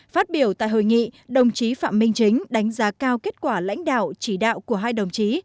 phát biểu tại hội nghị đồng chí phạm minh chính đánh giá cao kết quả lãnh đạo chỉ đạo của hai đồng chí